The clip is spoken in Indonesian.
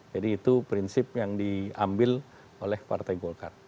jadi itu prinsip yang diambil oleh partai golkar